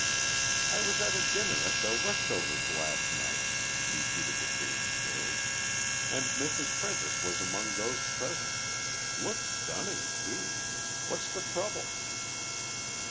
"I was at a dinner at the Westovers' last night," repeated the James girl, "and Mrs. Prentice was among those present. Looked stunning, too. What's the trouble?"